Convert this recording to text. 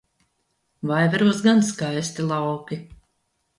Vaivaros gan skaisti lauki!